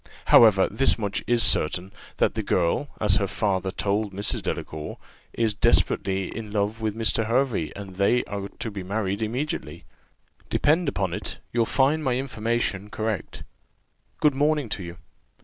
However, this much is certain, that the girl, as her father told Mrs. Delacour, is desperately in love with Mr. Hervey, and they are to be married immediately. Depend upon it, you'll find my information correct. Good morning to you.